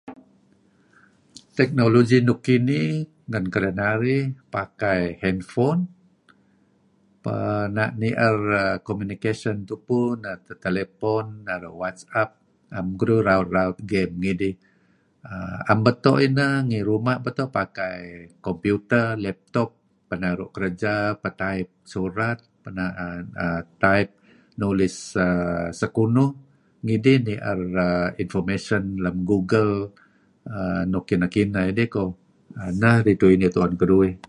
Technology nuk kinih ngan kedinarih pakai handphone, err na' ni'er communication tupu, naru' telephone, naru' whatsApp, am keduih raut-raut game ngidih . Am beto' inah ngi ruma' beto' pakai computer, lap top peh naru' kerja, peh naip surat err taip nulis err sekunuh ngidih ni'er information lem google nuk kineh-kineh dih koh. Inah ridtu' inih ru'en keduih.